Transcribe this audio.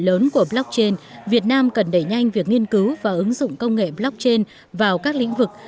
trong lĩnh vực lớn của blockchain việt nam cần đẩy nhanh việc nghiên cứu và ứng dụng công nghệ blockchain vào các lĩnh vực